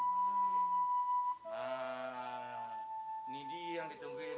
ini dia yang ditungguin